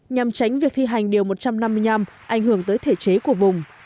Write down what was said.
nhằm tránh việc thi hành điều một trăm năm mươi năm ảnh hưởng tới thể chế của vùng